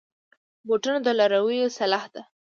بوټونه د لارویو سلاح ده.